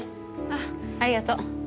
あっありがとう。